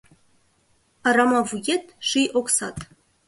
Арама вует - ший оксат